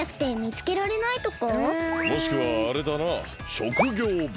もしくはあれだな職業病。